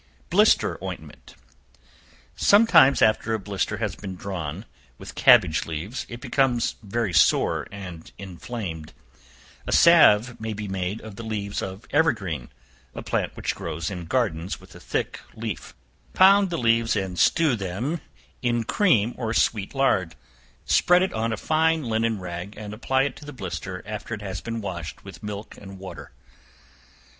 Blister Ointment. Sometimes after a blister has been drawn with cabbage leaves, it becomes very sore and inflamed; a salve may be made of the leaves of evergreen, (a plant which grows in gardens with a thick leaf;) pound the leaves, and stew them in cream or sweet lard; spread it on a fine linen rag, and apply it to the blister after it has been washed with milk and water.